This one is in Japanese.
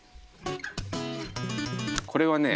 これはね。